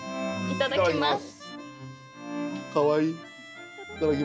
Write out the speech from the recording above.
いただきます。